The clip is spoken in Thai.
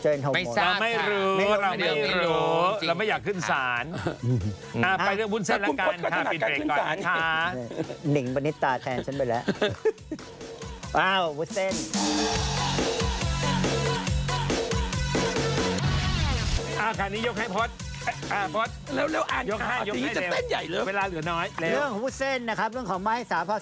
เอ้าอ๋อเอาใหม่